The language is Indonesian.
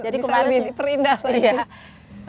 bisa lebih perindah lagi